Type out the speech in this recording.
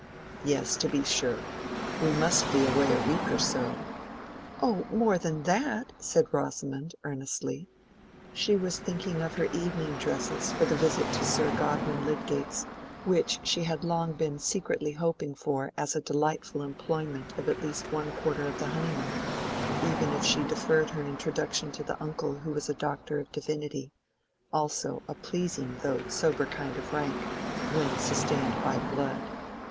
"Yes, to be sure. We must be away a week or so." "Oh, more than that!" said Rosamond, earnestly. She was thinking of her evening dresses for the visit to Sir Godwin Lydgate's, which she had long been secretly hoping for as a delightful employment of at least one quarter of the honeymoon, even if she deferred her introduction to the uncle who was a doctor of divinity (also a pleasing though sober kind of rank, when sustained by blood).